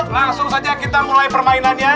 langsung saja kita mulai permainannya